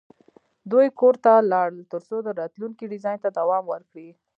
دوی کور ته لاړل ترڅو د راتلونکي ډیزاین ته دوام ورکړي